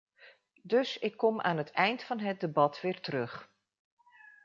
Dus ik kom aan het eind van het debat weer terug.